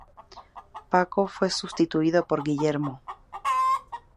Paco fue sustituido por Guillermo.